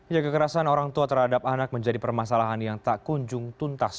ya kekerasan orang tua terhadap anak menjadi permasalahan yang tak kunjung tuntas